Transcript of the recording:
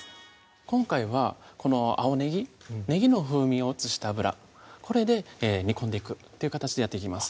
今回はこの青ねぎねぎの風味を移した油これで煮込んでいくという形でやっていきます